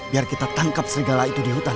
biar kita tangkap segala itu di hutan